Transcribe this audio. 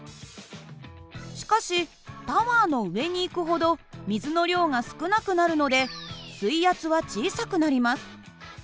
しかしタワーの上に行くほど水の量が少なくなるので水圧は小さくなります。